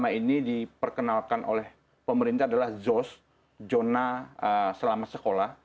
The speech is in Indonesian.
yang selama ini diperkenalkan oleh pemerintah adalah zos zona selama sekolah